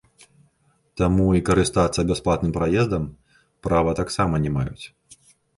Таму і карыстацца бясплатным праездам права таксама не маюць.